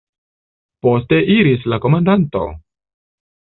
Poste iris la komandanto.